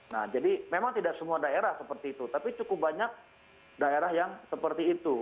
nah jadi memang tidak semua daerah seperti itu tapi cukup banyak daerah yang seperti itu